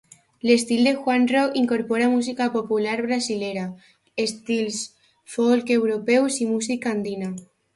L'estil de Junaro incorpora música popular brasilera, estils folk europeus i música andina.